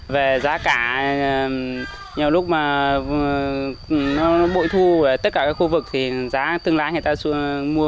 về giá cả nhiều lúc bội thu ở tất cả các khu vực thì giá thương lái người ta mua